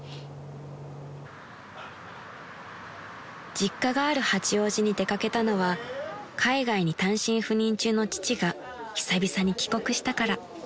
［実家がある八王子に出掛けたのは海外に単身赴任中の父が久々に帰国したから］